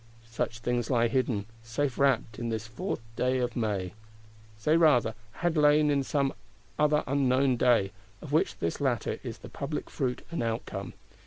Such things lie hidden, safe wrapt in this Fourth day of May;—say rather, had lain in some other unknown day, of which this latter is the public fruit and outcome.